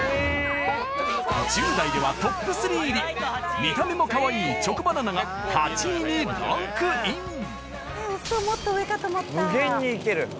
１０代ではトップ３入り見た目もかわいいチョコバナナが８位にランクインもっと上かと思った。